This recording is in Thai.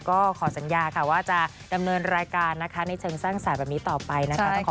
ก็ขอสัญญาว่าจะดำเนินรายการในเชิงสร้างสารแบบนี้ต่อไป